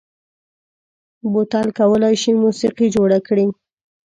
بوتل کولای شي موسيقي جوړ کړي.